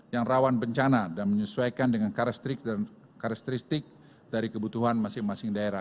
yang rawan bencana dan menyesuaikan dengan karakteristik dari kebutuhan masing masing daerah